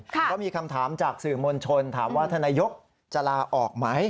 ก็มีคำถามจากสื่อมวลชนถามว่าท่านนายกจะลาออกไหม